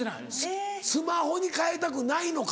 スマホに変えたくないのか？